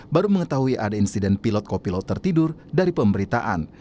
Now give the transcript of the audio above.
baru mengetahui ada insiden pilot kopi laut tertidur dari pemberitaan